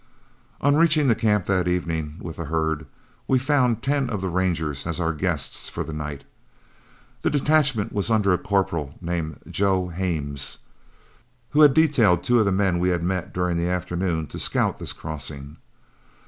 On reaching camp that evening with the herd, we found ten of the Rangers as our guests for the night. The detachment was under a corporal named Joe Hames, who had detailed the two men we had met during the afternoon to scout this crossing.